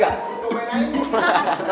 masih dokumen aja